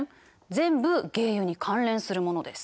全部鯨油に関連するものです。